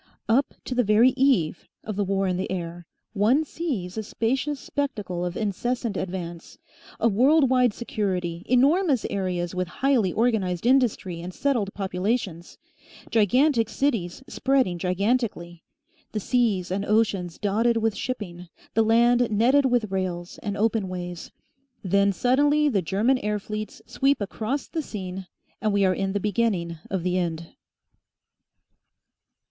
Up to the very eve of the War in the Air one sees a spacious spectacle of incessant advance, a world wide security, enormous areas with highly organised industry and settled populations, gigantic cities spreading gigantically, the seas and oceans dotted with shipping, the land netted with rails, and open ways. Then suddenly the German air fleets sweep across the scene, and we are in the beginning of the end.